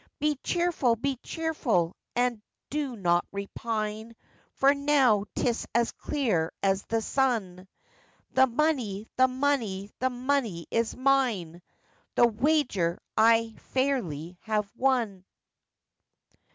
'Be cheerful! be cheerful! and do not repine, For now 'tis as clear as the sun, The money, the money, the money is mine, The wager I fairly have won.